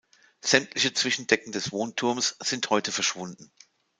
Sämtliche Zwischendecken des Wohnturms sind heute verschwunden.